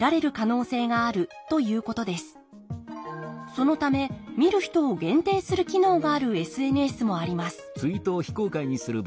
そのため見る人を限定する機能があるＳＮＳもあります